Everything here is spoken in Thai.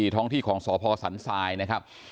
ท้องที่ของสพสันทรายนะครับ